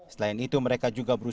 selain itu mereka juga berusaha